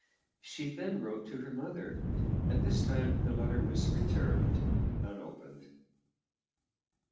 She then wrote to her mother, and this time the letter was returned unopened.